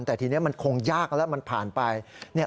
แต่ทีนี้มันคงยากแล้วมันผ่านไป